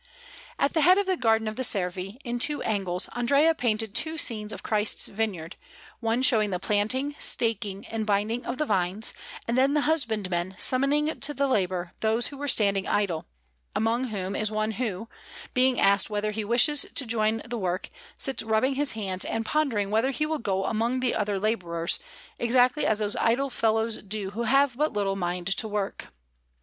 At the head of the garden of the Servi, in two angles, Andrea painted two scenes of Christ's Vineyard, one showing the planting, staking, and binding of the vines, and then the husbandman summoning to the labour those who were standing idle, among whom is one who, being asked whether he wishes to join the work, sits rubbing his hands and pondering whether he will go among the other labourers, exactly as those idle fellows do who have but little mind to work.